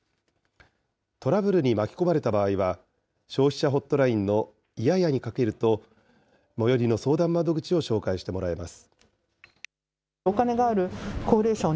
トラブルに巻き込まれた場合は、消費者ホットラインの１８８にかけると最寄りの相談窓口を紹介してもらえます。